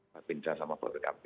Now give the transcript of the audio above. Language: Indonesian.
pak binza sama pak rt